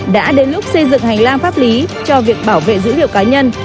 đã đến lúc xây dựng hành lang pháp lý cho việc bảo vệ dữ liệu cá nhân